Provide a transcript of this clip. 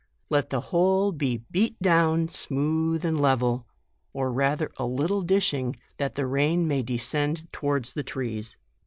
Let the whole be beat down smooth and level, or rather a little dishing, that the rain may descend towards the trees.